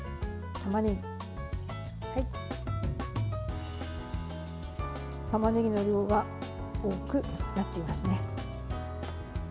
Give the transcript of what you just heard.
たまねぎの量が多くなっていますね。